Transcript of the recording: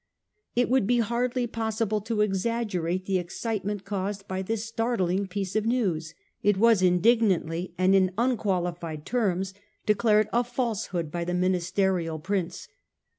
It would be hardly possible to exaggerate the excitement caused by this startling piece of news. It was indig nantly and in unqualified terms declared a falsehood by the ministerial prints.